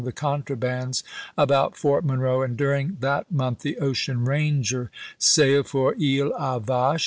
the contrabands about Fort Monroe, and during that month the Ocean Ranger saUed for He A' Vache April, ises.